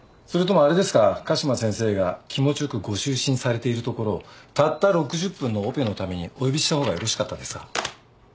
嘉島先生が気持ち良くご就寝されているところをたった６０分のオペのためにお呼びした方がよろしかったですか？